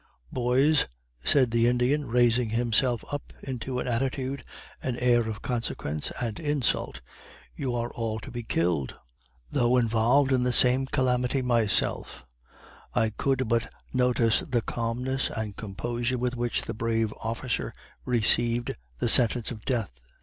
"Boys," said the Indian, raising himself up into an attitude and air of consequence and insult, "your are all to be killed." Though involved in the same calamity myself, I could but notice the calmness and composure with which the brave officer received the sentence of death.